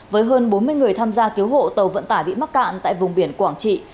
với hơn bốn mươi người tham gia cứu hộ tàu vận tải bị mắc cạn tại vùng biển quảng trị